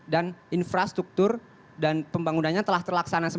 dan infrastruktur dan pembangunannya telah terlambat